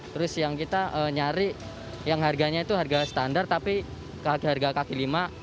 terus yang kita nyari yang harganya itu harga standar tapi harga kaki lima